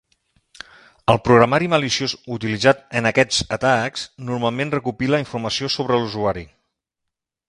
El programari maliciós utilitzat en aquests atacs normalment recopila informació sobre l'usuari.